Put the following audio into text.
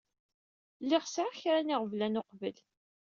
Lliɣ sɛiɣ kra iɣeblan uqbel.